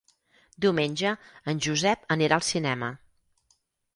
Diumenge en Josep anirà al cinema.